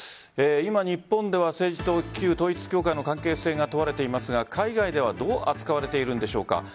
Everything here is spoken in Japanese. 今、日本では政治と旧統一教会の関係性が問われていますが海外ではどう扱われているんでしょうか。